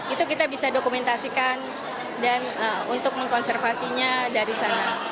itu kita bisa dokumentasikan dan untuk mengkonservasinya dari sana